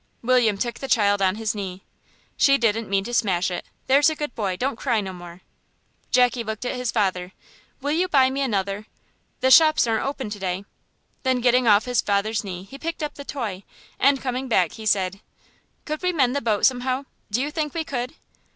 William took the child on his knee. "She didn't mean to smash it. There's a good boy, don't cry no more." Jackie looked at his father. "Will you buy me another? The shops aren't open to day." Then getting off his father's knee he picked up the toy, and coming back he said, "Could we mend the boat somehow? Do you think we could?"